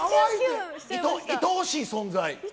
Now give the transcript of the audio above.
いとおしい存在。